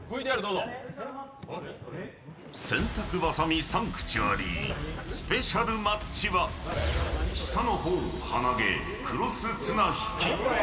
洗濯バサミサンクチュアリスペシャルマッチは下の方、鼻毛クロス綱引き